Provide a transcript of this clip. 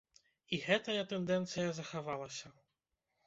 І гэтая тэндэнцыя захавалася.